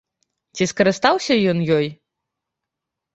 Ці скарыстаўся ён ёй?